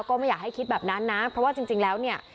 ก็ไม่อยากให้คิดแบบนั้นนะเพราะว่าจริงแล้วเนี่ย